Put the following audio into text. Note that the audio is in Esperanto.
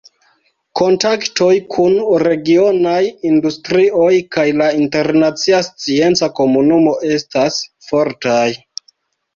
Kontaktoj kun regionaj industrioj kaj la internacia scienca komunumo estas fortaj.